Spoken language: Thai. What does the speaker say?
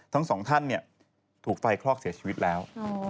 ทั้งสองท่านถูกไฟคลอกเสียชีวิตแล้ว